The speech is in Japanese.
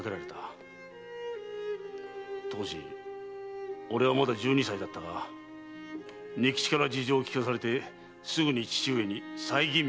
当時俺はまだ十二歳だったが仁吉から事情を聞かされてすぐに父上に再吟味をお願いしたのだ。